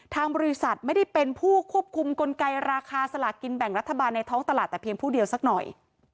ทางบริษัทไม่ได้เป็นผู้ควบคุมกลไกราคาสลากกินแบ่งรัฐบาลในท้องตลาดแต่เพียงผู้เดียวสักหน่อย